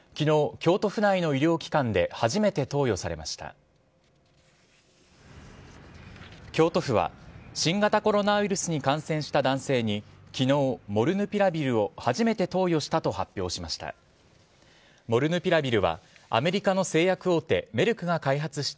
京都府は、新型コロナウイルスに感染した男性にきのう、モルヌピラビルを初めて投与したと発表しました。